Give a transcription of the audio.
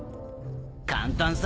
簡単さ。